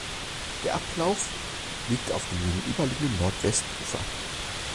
Der Ablauf liegt auf dem gegenüberliegenden Nordwestufer.